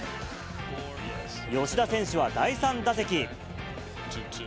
吉田選手は第３打席。